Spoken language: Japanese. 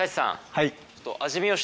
はい。